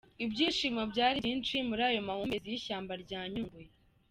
Ibyishimo byari byinshi muri ayo mahumbezi y’ishyamaba rya nyungwe.